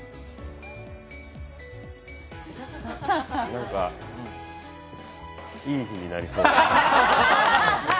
なんか、いい日になりそうです。